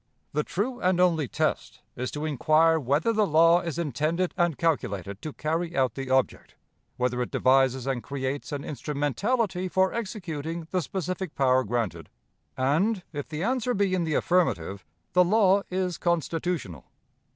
The true and only test is to inquire whether the law is intended and calculated to carry out the object; whether it devises and creates an instrumentality for executing the specific power granted; and, if the answer be in the affirmative, the law is constitutional.